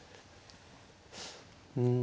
うん。